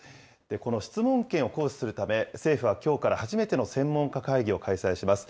この質問権を行使するため、政府はきょうから初めての専門家会議を開催します。